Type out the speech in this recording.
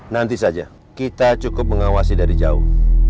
nanti saja kita cukup mengawasi dari jauh